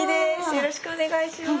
よろしくお願いします。